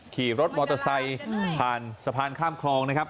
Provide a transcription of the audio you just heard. ขี่รถมอเตอร์ไซค์ผ่านสะพานข้ามคลองนะครับ